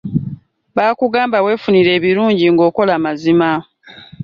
Bakugamba weefunire ebirungi ng'okola amazima.